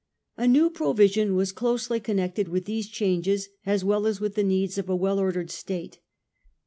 A new provision was closely connected with these changes, as well as with the needs of a w'ell ,* 1 • T 1 causes ordered state.